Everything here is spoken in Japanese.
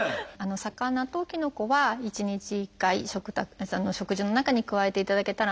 魚ときのこは１日１回食事の中に加えていただけたらなと思います。